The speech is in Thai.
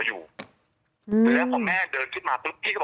อุ่นเงี้ย